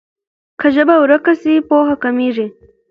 که ژبه ورکه سي پوهه کمېږي.